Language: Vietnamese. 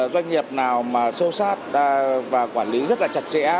doanh nghiệp nào mà sâu sát và quản lý rất là chặt chẽ